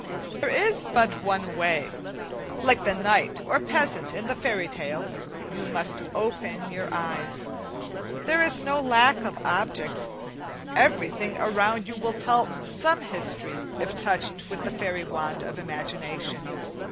There is but one way. Like the knight or peasant in the fairy tales, you must open you eyes. There is no lack of objects, everything around you will tell some history if touched with the fairy wand of imagination.